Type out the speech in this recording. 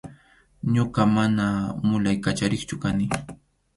Ñuqa mana mulay kachariqchu kani.